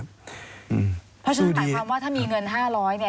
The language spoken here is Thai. เพราะฉะนั้นถ้ามีเงิน๕๐๐เนี่ย